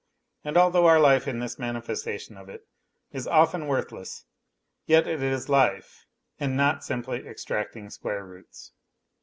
And although our life, in this manifestation of it, is often worthless, yet it is life and not simpty extracting square roots.